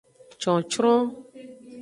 Cocron.